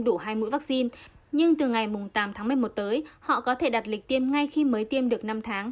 đủ hai mũi vaccine nhưng từ ngày tám tháng một mươi một tới họ có thể đặt lịch tiêm ngay khi mới tiêm được năm tháng